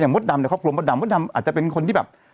อาจจะเป็นคนที่แบบ